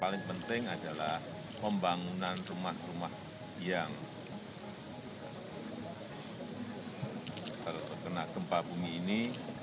paling penting adalah pembangunan rumah rumah yang terkena gempa bumi ini